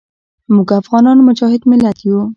موږ افغانان مجاهد ملت یو.